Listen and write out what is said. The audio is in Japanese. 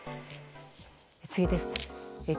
次です。